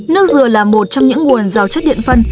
nước dừa là một trong những nguồn giàu chất điện phân